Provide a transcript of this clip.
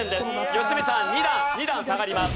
良純さん２段２段下がります。